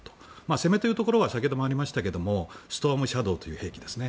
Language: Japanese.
攻め手というところは先ほどもありましたがストームシャドーという兵器ですね。